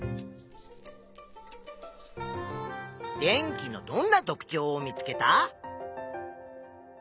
電気のどんな特ちょうを見つけた？